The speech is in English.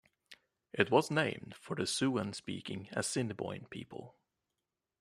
It was named for the Siouan-speaking Assinniboine people.